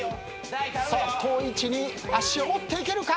遠い位置に足を持っていけるか？